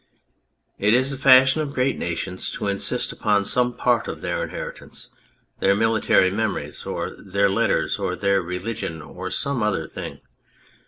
It is the fashion of great nations to insist upon some part of their inheritance, their military memories, or their letters, or their religion, or some other thing.